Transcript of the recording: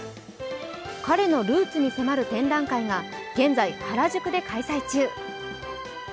彼のルーツに迫る展覧会が現在、原宿で開催中。